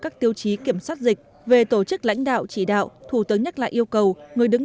các tiêu chí kiểm soát dịch về tổ chức lãnh đạo chỉ đạo thủ tướng nhắc lại yêu cầu người đứng